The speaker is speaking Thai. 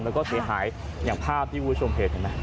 แล้วก็สีหายอย่างภาพที่พูดชมเพจใช่ไหม